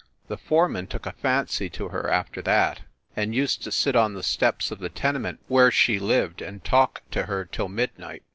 The foreman took a fancy to her after that, and used to sit on the steps of the tenement where she lived and talk to her till midnight.